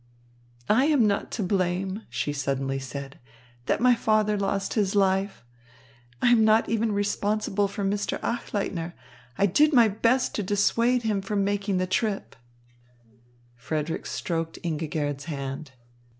"I am not to blame," she suddenly said, "that my father lost his life. I am not even responsible for Mr. Achleitner. I did my best to dissuade him from making the trip." Frederick stroked Ingigerd's hand.